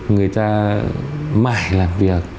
người ta mãi làm việc